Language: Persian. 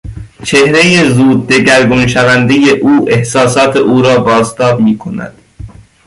چهرهی زود دگرگون شوندهی او احساسات او را بازتاب می کند.